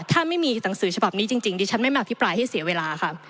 ถ้าไม่มีหนังสือฉบับนี้จริงดิฉันไม่มาอภิปรายให้เสียเวลาค่ะ